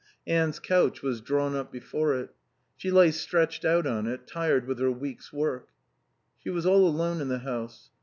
Anne's couch was drawn up before it. She lay stretched out on it, tired with her week's work. She was all alone in the house.